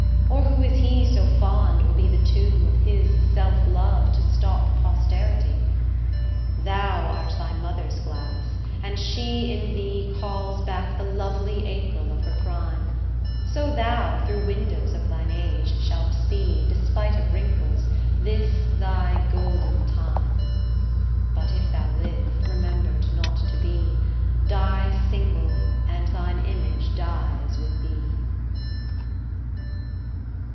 Or who is he so fond will be the tomb, Of his self love to stop posterity? Thou art thy mother's glass and she in thee Calls back the lovely April of her prime; So thou through windows of thine age shalt see, Despite of wrinkles this thy golden time. But if thou live, remember'd not to be, Die single and thine image dies with thee.